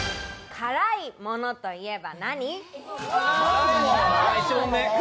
辛いものといえば。